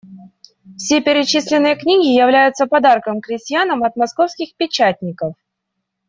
Все перечисленные книги являются подарком крестьянам от Московских печатников.